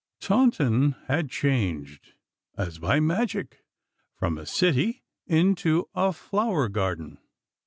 Taunton had changed as by magic from a city into a flower garden.